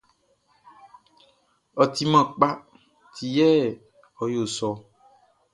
Ɔ timan kpa ti yɛ ɔ yo sɔ ɔ.